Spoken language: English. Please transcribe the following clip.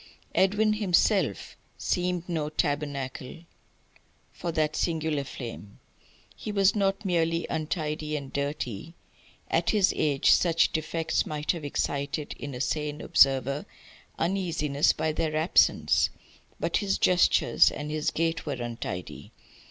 Edwin himself seemed no tabernacle for that singular flame. He was not merely untidy and dirty at his age such defects might have excited in a sane observer uneasiness by their absence; but his gestures and his gait were untidy.